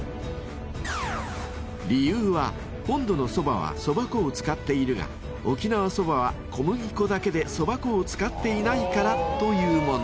［理由は本土のそばはそば粉を使っているが沖縄そばは小麦粉だけでそば粉を使っていないからというもの］